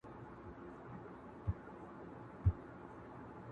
اوس حیا پکښي خرڅیږي بازارونه دي چي زیږي،